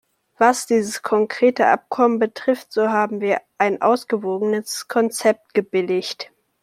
Was dieses konkrete Abkommen betrifft, so haben wir ein ausgewogenes Konzept gebilligt.